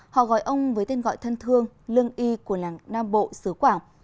họ gọi ông với tên gọi thân thương lương y của làng nam bộ sứ quảng